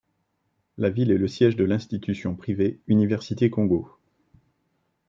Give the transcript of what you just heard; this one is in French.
La ville est le siège de l'institution privée Université Kongo.